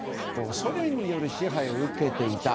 ソ連による支配を受けていた。